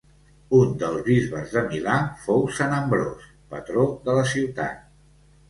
Un dels bisbes de Milà fou sant Ambròs, patró de la ciutat.